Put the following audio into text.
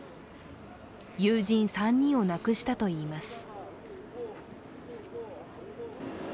友人３人を亡くしたといいます。